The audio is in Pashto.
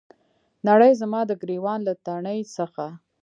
نړۍ زما د ګریوان له تڼۍ څخه